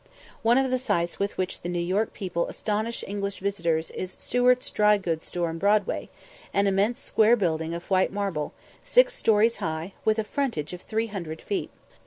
One of the sights with which the New York people astonish English visitors is Stewart's dry goods store in Broadway, an immense square building of white marble, six stories high, with a frontage of 300 feet.